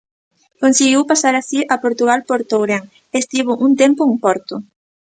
Conseguiu pasar así a Portugal por Tourén e estivo un tempo en Porto.